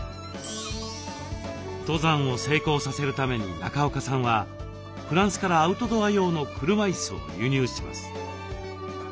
登山を成功させるために中岡さんはフランスからアウトドア用の車いすを輸入します。